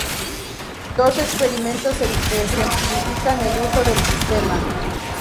Dos experimentos ejemplifican el uso del sistema.